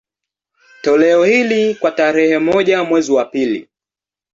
Toleo hili, kwa tarehe moja mwezi wa pili